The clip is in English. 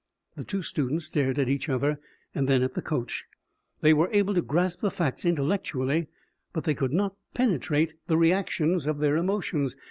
The two students stared at each other and then at the coach. They were able to grasp the facts intellectually, but they could not penetrate the reactions of their emotions.